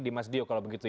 di mas dio kalau begitu ya